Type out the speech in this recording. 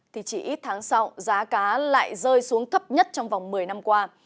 thì chỉ ít tháng sau giá cá lại rơi xuống thấp nhất trong vòng một mươi năm qua